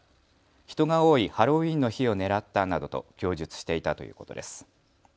人が多いハロウィーンの日を狙ったなどと供述していたということです。